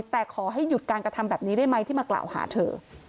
แต่ขอให้หยุดการกระทำแบบนี้ได้ไหมที่มากล่าวหาเธอ